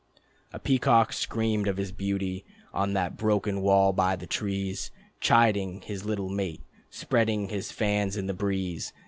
A peacock screamed of his beauty On that broken wall by the trees, Chiding his little mate, Spreading his fans in the breeze